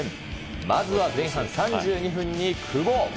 まずは前半３２分に久保。